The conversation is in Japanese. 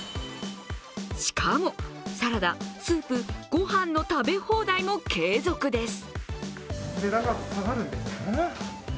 しかも、サラダ・スープ・ご飯の食べ放題も継続です。